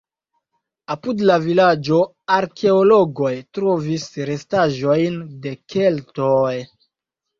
Apud la vilaĝo arkeologoj trovis restaĵojn de keltoj.